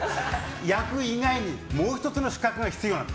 焼く以外にもう１つの資格が必要なの。